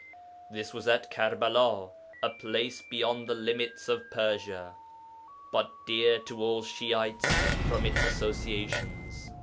This was at Karbala, a place beyond the limits of Persia, but dear to all Shi'ites from its associations.